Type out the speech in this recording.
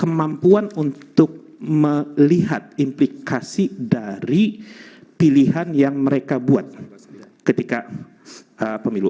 kemampuan untuk melihat implikasi dari pilihan yang mereka buat ketika pemilu